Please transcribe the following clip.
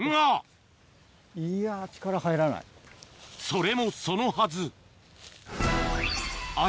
それもそのはず